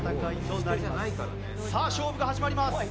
さあ勝負が始まります！